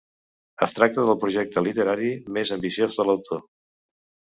Es tracta del projecte literari més ambiciós de l'autor.